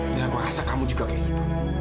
dan aku rasa kamu juga seperti itu